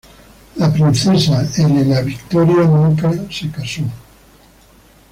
La princesa Elena Victoria nunca se casó.